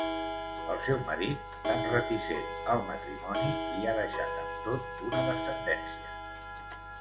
El seu marit, tan reticent al matrimoni, li ha deixat, amb tot, una descendència.